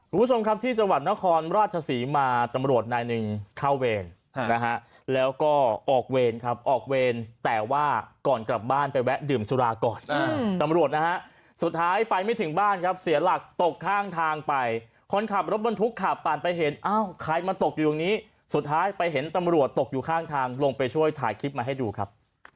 คุณผู้ชมครับที่จังหวัดนครราชศรีมาตำรวจนายหนึ่งเข้าเวรนะฮะแล้วก็ออกเวรครับออกเวรแต่ว่าก่อนกลับบ้านไปแวะดื่มสุราก่อนตำรวจนะฮะสุดท้ายไปไม่ถึงบ้านครับเสียหลักตกข้างทางไปคนขับรถบรรทุกขับผ่านไปเห็นอ้าวใครมาตกอยู่ตรงนี้สุดท้ายไปเห็นตำรวจตกอยู่ข้างทางลงไปช่วยถ่ายคลิปมาให้ดูครับ